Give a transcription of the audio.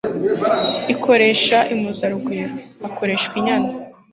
ikoresha impuzarugwiro.hakoreshwa injyana